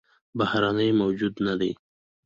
بهرنى موجود نه دى